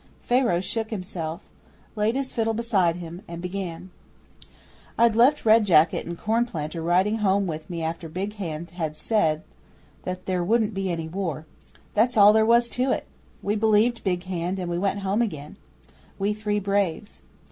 Pharaoh shook himself, laid his fiddle beside him, and began: 'I'd left Red Jacket and Cornplanter riding home with me after Big Hand had said that there wouldn't be any war. That's all there was to it. We believed Big Hand and we went home again we three braves.